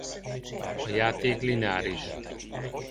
A játék lineáris.